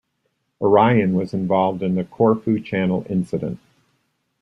"Orion" was involved in the Corfu Channel Incident.